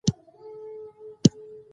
افغانستان د آمو سیند کوربه دی.